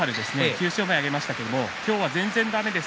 ９勝目を挙げましたけれども今日は全然だめです。